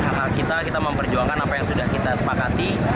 hak hak kita kita memperjuangkan apa yang sudah kita sepakati